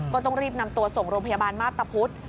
ก็ต้องรีบนำตัวส่งโรงพยาบาลมาพตะพุธ